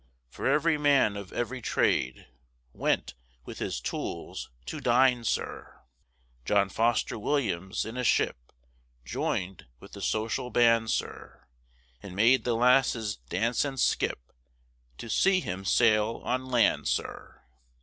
For every man of every trade Went with his tools to dine, sir. John Foster Williams in a ship Join'd with the social band, sir And made the lasses dance and skip, To see him sail on land, sir!